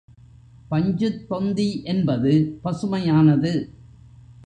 பஞ்சுத்தொந்தி என்பது பசுமையானது.